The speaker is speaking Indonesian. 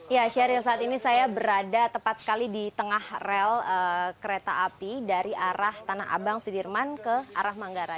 ya sheryl saat ini saya berada tepat sekali di tengah rel kereta api dari arah tanah abang sudirman ke arah manggarai